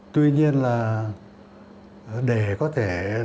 tuy nhiên là để có thể